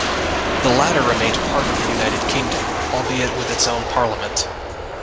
The latter remained part of the United Kingdom albeit with its own parliament.